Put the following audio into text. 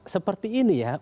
seperti ini ya